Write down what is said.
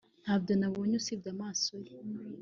ntacyo nabonye, usibye amaso ye